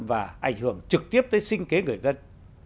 và ảnh hưởng trực tiếp tới sinh kế người dân